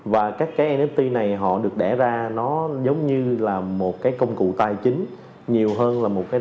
và các nft này họ được đẻ ra nó giống như là một công cụ tài chính nhiều hơn là một tài sản số